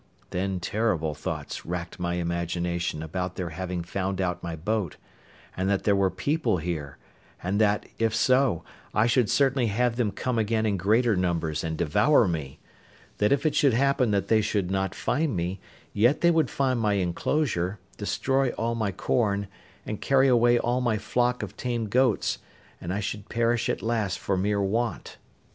Then terrible thoughts racked my imagination about their having found out my boat, and that there were people here; and that, if so, I should certainly have them come again in greater numbers and devour me; that if it should happen that they should not find me, yet they would find my enclosure, destroy all my corn, and carry away all my flock of tame goats, and I should perish at last for mere want.